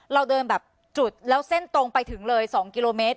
เราเดินแบบจุดแล้วเส้นตรงไปถึงเลย๒กิโลเมตร